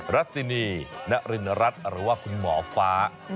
รัซินีนรินรัฐหรือว่าคุณหมอฟ้า